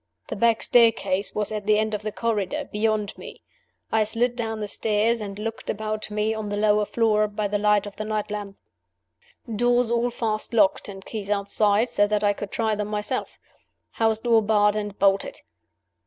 The back staircase was at the end of the corridor, beyond me. I slid down the stairs, and looked about me on the lower floor, by the light of the night lamp. Doors all fast locked and keys outside, so that I could try them myself. House door barred and bolted.